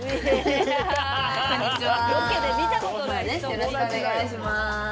よろしくお願いします。